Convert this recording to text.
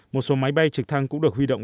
một số máy bay trực thăng cũng được huy động